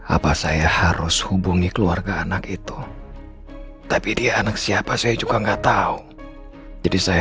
apa saya harus hubungi keluarga anak itu tapi dia anak siapa saya juga enggak tahu jadi saya